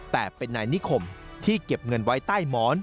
แต่เป็นนายนิคมที่เก็บเงินไว้ใต้หมอน